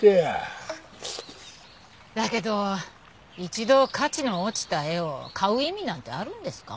だけど一度価値の落ちた絵を買う意味なんてあるんですか？